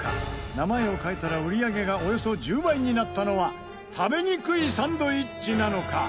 名前を変えたら売り上げがおよそ１０倍になったのはたべにくいサンドイッチなのか？